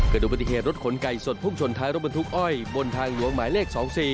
ดูปฏิเหตุรถขนไก่สดพุ่งชนท้ายรถบรรทุกอ้อยบนทางหลวงหมายเลข๒๔